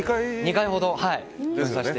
２回ほど。